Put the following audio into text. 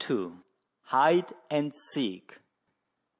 HIDE AND SEEK.